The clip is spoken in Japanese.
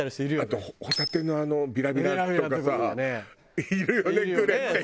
あとホタテのあのビラビラとかさいるよねくれって人。